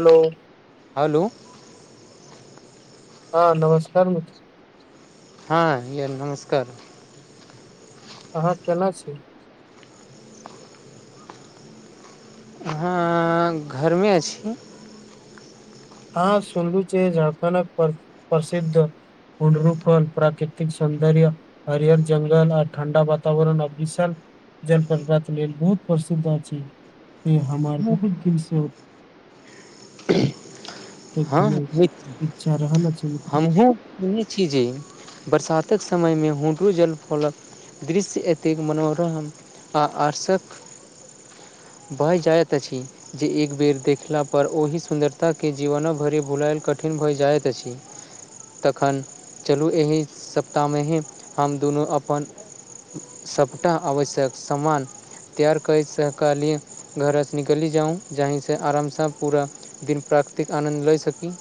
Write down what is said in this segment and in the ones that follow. हेल हेल हँ नमस्का हँ नमस्कार अहाँ केना छ अहाँ घरमे छी हँ सुनलू छै झारखण्ड प्रसिद् उुड्रू फल प्राकृतिक सौन्दर् हरहर जंगल, आ ठण्डा वातावरण, आ विशाल जल प्रपात लेल बहुत प्रसिद्ध छै से हमार बहुत दिलसे ओतय हँ, घुमय इच्छा रहल अछि मित्र हमहु ई नीक चीज अछि, बरसातक समयमे खूब जल-फलक। दृश्य एतेक मनोरम, आ अक्रशक। भऽ जाइत अछि, जे एक बेर देखलापर ओहि सुन्दरतके लेल। जीवनो भरि बुलायल, कठिन भऽ जाइत अछि। तखन चलू? एहि सप्ताहमे ही हम दुनू अपन। सपटा आवश्यक सामान त्यार कऽ सहकारी घर निकली जाउ जहिसे आरामसँ पूरा दिन प्राकृतिक आनन्द लए सकी।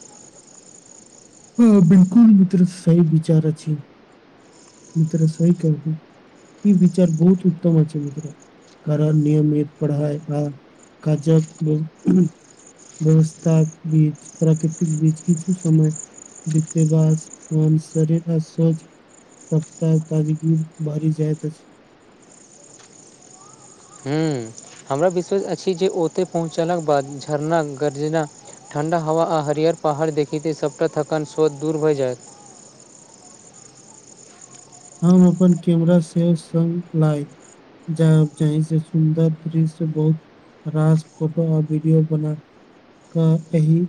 बिल्कूल मित्र सही विचार अछि। मित्र सहि कहलियो ई विचार बहुत उत्तम छै। कारण नियमित पढ़ाई आ काजकेँ व्यवस्था बीज, प्राकृतिक बीज, किछु समय नित्य-नियमसँ शरीर आ स्वच्छता। सप्ताह ताजगीसँ भरि जाइत अछि। ह, हमरा विश्वास अछि, जे ओतय पहुँचलाक बाद झरना गर्जना। ठण्डा हवा, आ हरियर पहाड़ देखैत, सभटा थकान स्वोत दूर भऽ जायत। हम अपन कैमरा सेहो संग लैब। जा जहिसे सुन्दर दृश्य बहुत। रास फोटो आर वीडियो बना क एहि।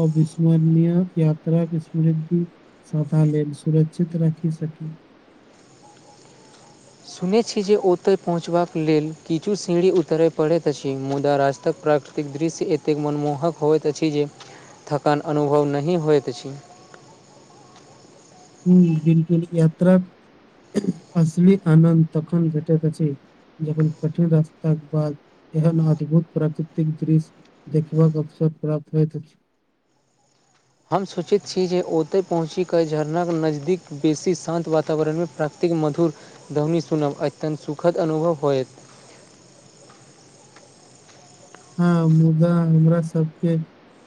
अविस्मरणय यात्रा समृद्धिथ ले सुरक्षित रहै। की सखी। सुनैत छी जे ओतय पहुँचबाक लेल किछु सीढ़ी उतरय पड़ैत अछि। मुदा रास्तकऽ एतेक दृश्य एतेक मनमोहक होइत अछि। जे थकान अनुभव नहि होइत अछि। हूँ बिल्कूल यात्राक असली आनन्द तखन भेटैत अछि जखन कठिन रास्ताके बाद एहन अद्भुत, प्राकृतिक दृश्य। देखबाकऽ अवसर प्राप्त होइत छै। हम सोचै छी जे ओतय पहुँच कऽ झरनाके नजदीक बेसी शान्त वातावरणमे प्राप्त। एते कऽ मधुर दौनी सुनब अत्यन्त सुखद अनुभव होयत हँ, मुदा हमरा सभके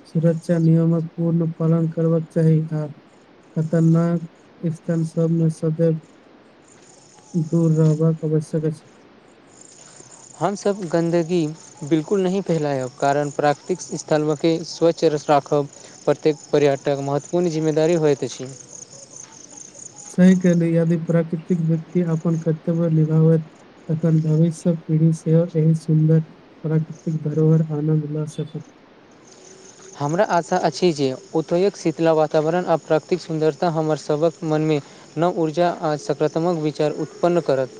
सुरक्षा नियमक पूर्ण पालन करबाकऽ चाही आ खतरनाक स्थान सभमे सदर दूर रहबाक अवश्यक छै। हमसभ गन्दगी। बिल्कूल नहि फैलायब कारण प्राकृतिक स्थलके स्वच्छ राखब। प्रत्येक पर्यटक महत्वपूर्ण, जिम्मेदारी होइत अछि। सही कहलिये नहि यदी प्राकृतिक व्यक्तति अपन कर्तव्य लिभावत। तखन, भविष्य कऽ पीढ़ी सेहो एहन सुन्दर प्राकृतिक धरोहर आनन्द लऽ सकी हमरा आशा अछि, जे ओतक शीतला, वातावरण आ प्राकृतिक सुन्दरता हमर सभक मनमे नव ऊर्जा आ सकारात्मक विचार उत्पन्न करत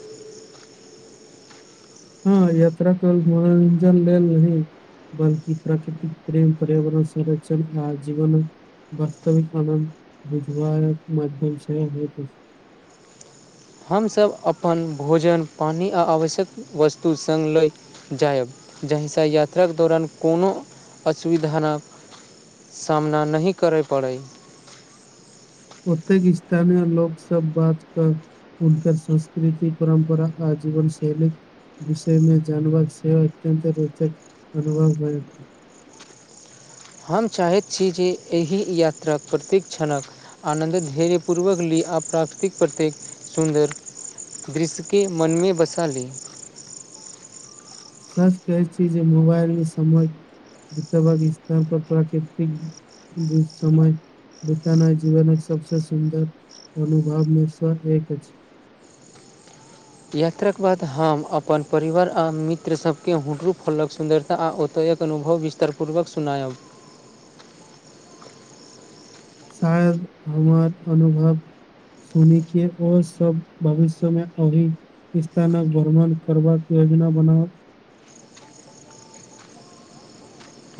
हँ यात्रा त मनोरजन लेल नहि बल्कि प्राकृतिक, प्रेम पर्यावरण संरक्षण आर जीवन वास्तविक आनन्द बुझआ मध्य विषय होइत हमसभ अपन भोजन पानि आ आवश्यक वस्तु सङ्ग लऽ जायब जाहिसँ यात्रा के दौरान कोनो असुविधा नहि सामना, नहि करय पड़ै। ओतेकऽ स्थानीय लोक सभ बात कर हनकर संस्कृति परम्परा आजीवन शैली विषयमे जबाकऽ सेहो अत्यंत रोचक अनुभव अछि हम चाहैत छी जे एहि यात्राक प्रतिक क्षण आनन्द धैर्य पूर्वक ली आ प्राकृतिक प्रत्येक सुन्द दृश्यक मनमे बसाल सर्च करैत छी जे मोबाइल मे सम [unintelligible] प्राकृतिक जे समाज बिता ने जीवन सबसँ सुन्द अनुभवमेसँ एक अछ यात्राक बाद हम अपन परिवार आ मित्र सबके हुनकरू खोलक सुन्द आ ओतयके अनुभव विस्तारपूर्वक सुनाय शायद हमर अनुभ सुनी छिय और सब भविष्यमे अभ इथानक भ्रमण करबाक योजना बनाब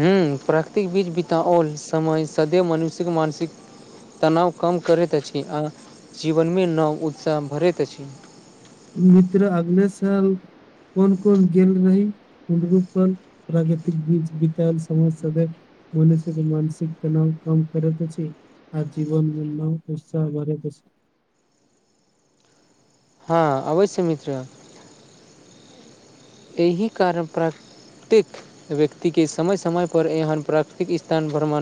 ह प्राकृतिक बीज बताओल समय सदैव मनुषिक मानसि तनाव कम करैत अछि आ जीवनमे नव उत्साह भरैत अछ मित्र अगले साल कोन कोन गेल रह उरूपल प्राकृतिक बीज बितल समस्या मनसिक मानसिक तनाव काम करैत अछ आ जीवनमे नओ उत्साह भर प छ हँ अबै छै मित् एहिह कारण प्र प्रत्येक व्यक्तिके समय समयपर एहन प्राकृतिक स्थान भ्रम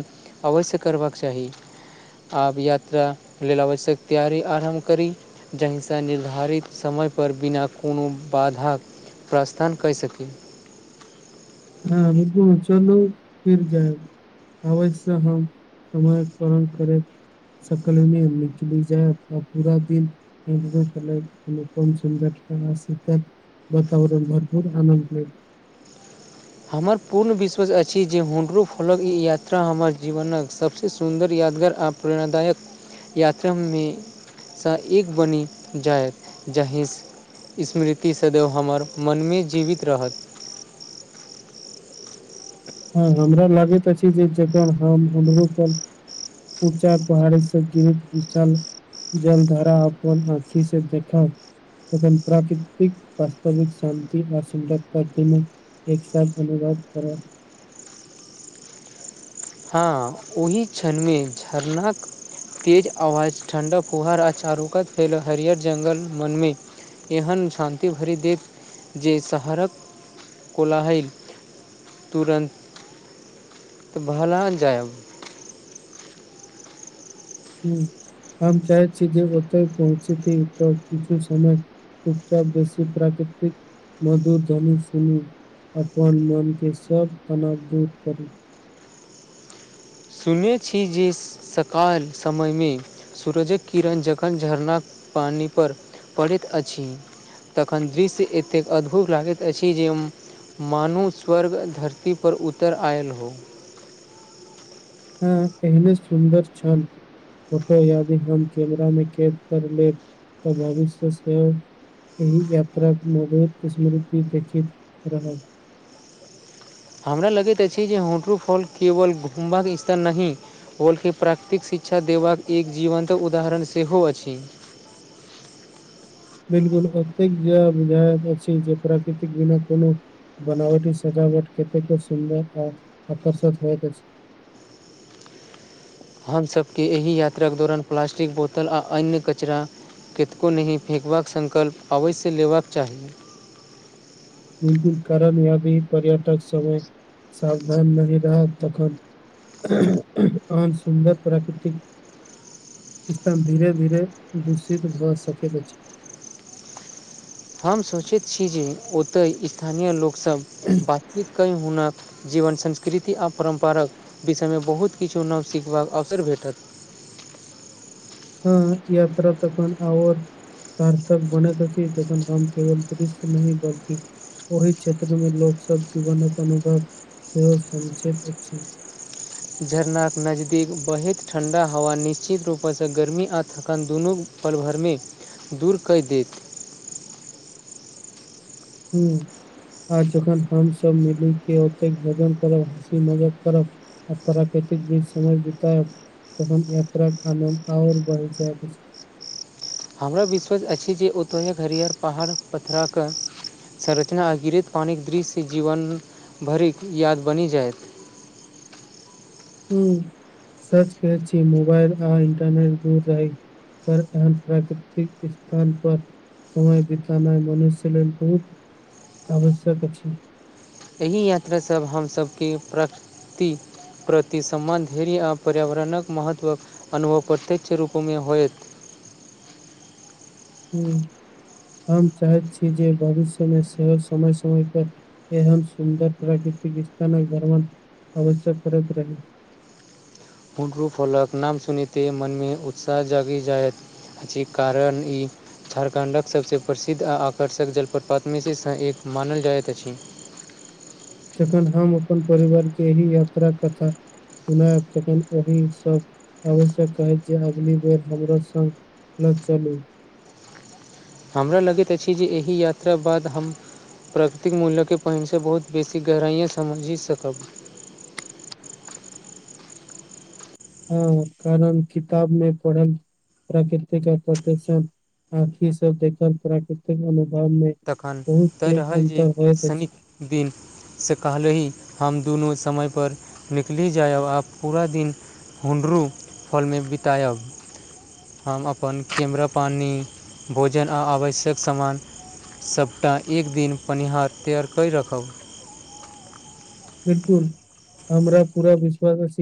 अवश्य करबाक चाह आब यात्रा लेल आवश्यक तैयारी आरम्भ कर जाहिसँ निर्धारित समयपर बिना कोनो बाधा प्रस्थान कहि सक हँ चलू फिर जाय आबै से हम समय पाल करै सकलमे निकली जाय पूरा दि क अनुपम सुन्दर वातावरण भरपूर आनन् हमर पूर्ण विश्वास अछि जे हुनरो फलक ई यात्रा हमर जीवनक सभसँ सुन्दर यादगार आ प्रेरणादायक यात्राम सँ एक बनि जाय जाहि स्मृति सदैव हमर मनमे जीवित रह हँ हमरा लागैत अछि जे जखन हम उमर ऊँचा पहाड़ीसँ गीरित विशा जल धरा अपन आखी से देख प्राकृतिक वास्तविकत शान्ति आ सुंद्रत एक साथ धन्यबाद करब हँ ओहि क्षणमे झरनाक तेज आवाज ठण्डा फुहार आ चारुकत फैल हरियर जंगल मनम एहन शान्ति भरि देव जे शहरक कोलाह तुरन् भलान जाय हूँ हम चाह छी जे ओतय पहुँची तऽ कीजो सम चुपचाप बेसी प्राकृतिक मधुर धनी सुन अपन मोनके सब तनाव दूर कर सुनैत छी जे सकाल समयम सूरजक किरण जखन झरनाक पानी पर पड़ैतअछि तखन दृश्य एतेक अद्भुत लागैत अछि जे हम मानू स्वर्ग धरती पर उतर आयल हो हँ एहने सुन्दर छल फोटो यादि हम कैमरा मे कैद कर लेब तऽ भविष्य सेहो एहि यात्राक मधुर स्मृति दीक्षित रहल हमरा लगैत अछि जे होट्रू फॉल केवल घुमबाक स्थल नहि बल्कि प्राकृतिक शिक्षा देबाक एक जीवन्त उदाहरण सेहो अछि बिल्कुल ओतेक जे बुझायत जे प्राकृतिक बिना कोनो बनावटी सजावट कतेको सुन्दर आ आकर्षक होयत अछि हमसभके एहि यात्राके दौरान प्लास्टिक बोतल आ अन्य कचरा केतको नहि फेकबाक संकल्प अवश्य लेबाक चाही बिल्कुल कारण यदि पर्यटक समय सावधान नहि रहत तखन एहन सुन्दर प्राकृतिक स्थान धीरे धीरे दूषित भऽ सकैत अछि हम सोचैत छी जे ओतय स्थानीय लोकसभ बातचीत कए हुनक जीवन संस्कृति आ परम्पराक विषयमे बहुत किछु नाम सिखबाक अवसर भेटत हँ यात्रा तखन आओर सारथक बनैत अछि जखन हम केवल दृश्य नहि बनती ओहि क्षेत्र मे लोक सब जीवनक अनुभव सेहो समचित अछि झरनाक नजदीक बढ़ैत ठण्डा हवा निश्चित रूपसँ गर्मी आ थकान दुनू पल भरमे दूर करि देत हूंम्म आ जखन हमस मिली के ओते भजन करब हँसी मजाक करब आ प्राकृतिक बीच समय बितायब तहन यात्राक आनन्द आओर बढ़ि जाइत अछि हमरा विश्वस अछि जे ओतौक हरियर पहाड़ पथरा कऽ संरचना आ गिरित पानिक दृश्य जीवन भरिक याद बनि जायत हूंम्म सच कहैत छी मोबाइल आ इंटरनेट दूर रहै पर अहाँक प्राकृतिक स्थान पर समय बितानाइ मनुष्य लेल बहुत आवश्यक अछि एहि यात्रासँ हमसभके प्रकति प्रति सम्मान धैर्य आओर पर्यावरणक महत्वक अनुभव प्रत्यक्ष रूपमे होयत हूंम्म हम चाहैत छी जे भविष्यमे सेहो समय समय पर एहन सुन्दर प्राकृतिक वितानक भ्रमन अवश्यक करैत रही पुण्रू फॉलक नाम सुनैते मनमे उत्साह जगि जायत जे कारण ई झारखण्डक सभसँ प्रसिद्ध आ आकर्षक जलप्रपात मेशसँ एक मानल जाइत अछि जखन हम अपन परिवार के यही यात्रा कथा ओना ओहि सब आवश्यक अछि जे अगली बेर हमरो सँ न चली हमरा लगैत अछि जे एहि यात्रा बाद हम प्राकृतिक मूल्यके पानिसँ बहुत बेसी गहराइयाँ समझि सकब हँ कारण किताब मे पढ़ल प्राकृतिक प्रदर्शन आंखी सब देखल प्राकृतिक अनुभव मे तखन बहुत तय पेघ रहल जे अन्तर होइत अछि शनिक दिन सकालहि हम दुनू समय पर निकली जायब आ पूरा दिन हुन्ड्रू हॅलमे बितायब हम अपन कैमरा पानि भोजन आ आवश्यक समान सबटा एक दिन पनिहार तैआर करि राखब बिल्कुल हमरा पूरा विश्वास अछि